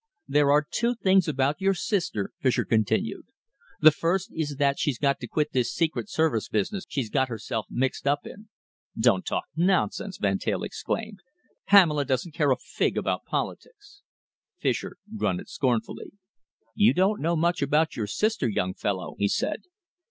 "There are two things about your sister," Fischer continued. "The first is that she's got to quit this secret service business she's got herself mixed up in." "Don't talk nonsense!" Van Teyl exclaimed. "Pamela doesn't care a fig about politics." Fischer grunted scornfully. "You don't know much about your sister, young fellow," he said.